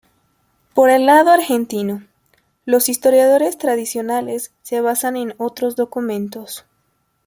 Por el lado argentino, los historiadores tradicionales se basaron en otros documentos.